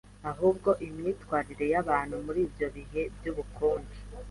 ahubwo imyitwarire y’abantu muri ibyo bihe by’ubukonje